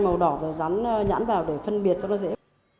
màu đỏ rồi rắn nhãn vào để phân biệt cho nó dễ